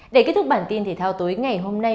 để kết thúc bản tin thể thao tối ngày hôm nay